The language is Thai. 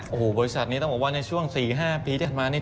โอ้โหบริษัทนี้ต้องบอกว่าในช่วง๔๕ปีที่ผ่านมานี่